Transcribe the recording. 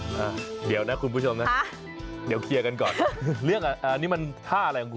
เป็นว่าวันดันใจกินเตียงกับยาวต่าง